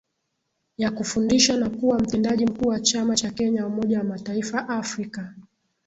ya kufundisha na kuwa mtendaji mkuu wa chama cha Kenya Umoja wa mataifa afrika